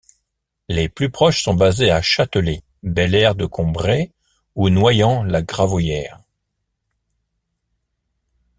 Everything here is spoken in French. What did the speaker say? Les plus proches sont basés à Châtelais, Bel-Air de Combrée ou Noyant-la-Gravoyère.